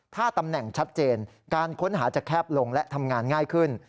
ถ้าตำแหน่งชัดเจนการค้นหาจะแคบลงและทำงานง่ายขึ้น